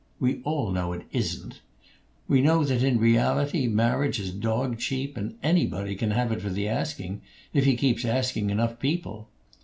We all know it isn't. We know that in reality marriage is dog cheap, and anybody can have it for the asking if he keeps asking enough people.